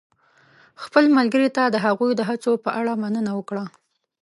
خپل ملګري ته د هغوی د هڅو په اړه مننه وکړه.